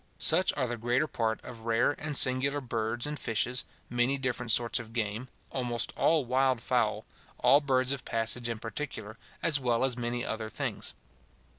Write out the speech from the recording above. Such are the greater part of rare and singular birds and fishes, many different sorts of game, almost all wild fowl, all birds of passage in particular, as well as many other things.